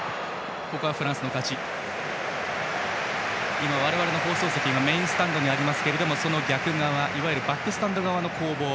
今、我々の放送席がメインスタンドにありますがその逆側、いわゆるバックスタンド側の攻防。